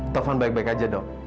telepon baik baik aja dok